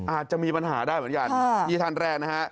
อาจจะมีปัญหาได้เหมือนกันนี่ท่านแรกนะฮะ